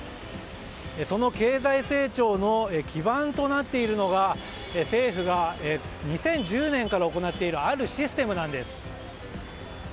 その経済成長の基盤となっているのが政府が２０１０年から行っているあるシステムです。